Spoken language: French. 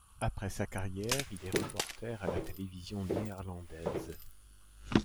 Après sa carrière, il est reporter à la télévision néerlandaise.